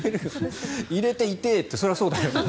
入れて痛いってそれはそうだよ。